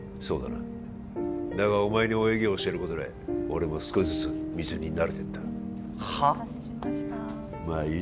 そうだなだがお前に泳ぎを教えることで俺も少しずつ水に慣れてったはあ！？